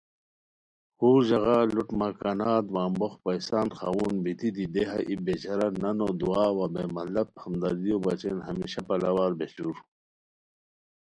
خور ژاغا لوٹ مکاناتن وا امبوخ پیسان خاؤن بیتی دی دیہہ ای بے چارہ نانو دعا وا بے مطلب ہمدردیو بچین ہمیشہ پلاوار بہچور